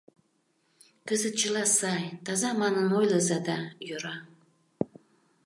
Кызыт чыла сай, таза манын ойлыза да йӧра.